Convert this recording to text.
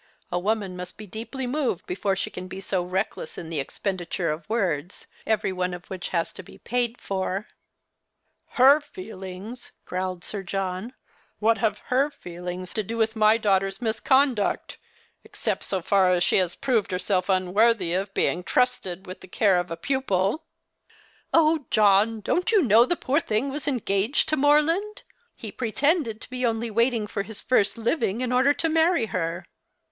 A woman mnst be deeply moved before she can be so reckless in the expenditm e of words, every one of which has to be paid for. 84 The Christmas Hirelings. " Her feelings !" growled Sir John ;" what have her feelings to do with my daughter's misconduct, except so far as she has proved herself unworthy of being trusted with the care of a pupil ?"" Oh, John ! don't you know the poor thing ^vas engaged to Morland ? He pretended to be only waiting for his first living in order to marry her."